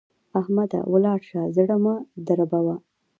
احمده! ولاړ شه؛ زړه مه دربوه.